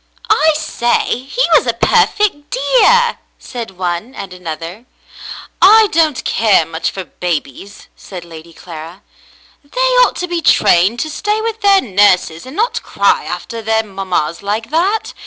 "I say ! He was a perfect dear !" said one and another. "I don't care much for babies," said Lady Clara. "They ought to be trained to stay with their nurses and not cry after their mammas like that.